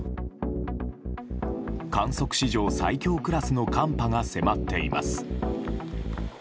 観測史上最強クラスの寒波が迫っています。